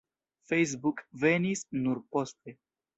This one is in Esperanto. Facebook venis nur poste.